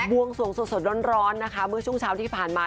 วงสวงสดร้อนนะคะเมื่อช่วงเช้าที่ผ่านมา